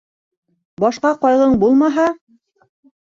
- Башҡа ҡайғың бумаһа...